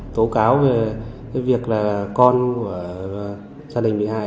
tố cáo về cái việc là con của gia đình bị hại